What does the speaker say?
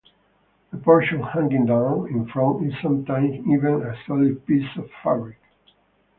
The portion hanging down in front is sometimes even a solid piece of fabric.